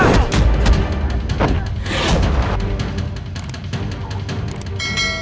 aku akan mencari al hikmah